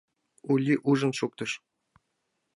— Ули ужын шуктыш.